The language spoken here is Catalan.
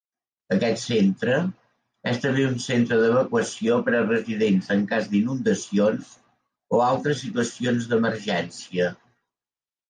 Aquest centre és també un centre d'evacuació per a residents en cas d'inundacions o altres situacions d'emergència.